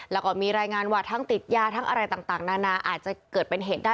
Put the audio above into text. แล้วก็มีรายงานว่าทั้งติดยาทั้งอะไรต่างนานาอาจจะเกิดเป็นเหตุได้